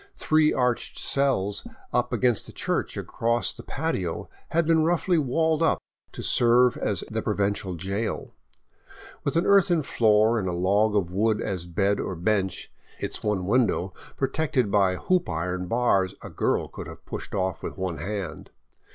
Three arched cells up against the church across the patio had been roughly walled up to serve as the provincial jail, with an earth floor and a log of wood as bed or bench, its one window protected by hoop iron bars a girl could have pushed off with one hand.